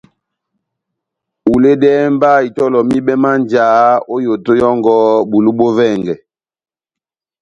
Huledɛhɛ mba itɔlɔ mibɛ má njáhá ó yoto yɔ́ngɔ bulu bó vɛngɛ.